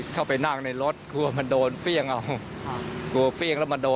ได้ยินเสียงระเบิด